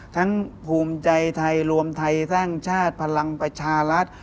ภูมิใจไทยรวมไทยสร้างชาติพลังประชารัฐ